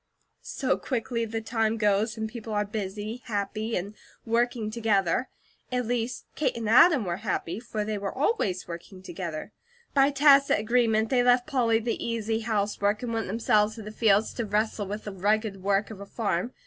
So quickly the time goes, when people are busy, happy, and working together. At least Kate and Adam were happy, for they were always working together. By tacit agreement, they left Polly the easy housework, and went themselves to the fields to wrestle with the rugged work of a farm.